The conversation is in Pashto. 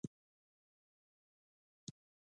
پاچا مننه وکړه، چې زما خبره مو په ځمکه ونه غورځوله.